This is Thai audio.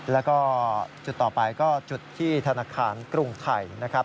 แล้วก็จุดต่อไปก็จุดที่ธนาคารกรุงไทยนะครับ